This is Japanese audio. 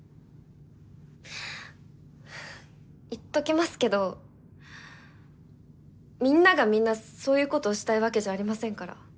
言っときますけどみんながみんなそういうことをしたいわけじゃありませんから。